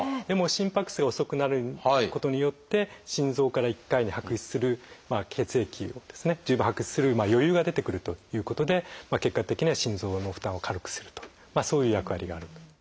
でも心拍数が遅くなることによって心臓から１回に拍出する血液をですね十分拍出する余裕が出てくるということで結果的には心臓の負担を軽くするとそういう役割があると。